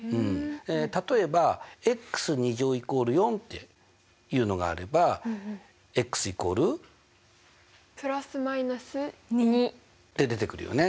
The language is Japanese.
例えば＝４っていうのがあればって出てくるよね。